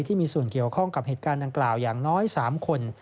ที่มีส่วนเกี่ยวข้องกับเหตุการณ์ดังกล่าวอย่างน้อย๓คน